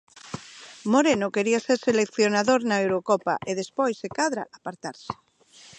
Moreno quería ser seleccionador na Eurocopa e despois, se cadra, apartarse.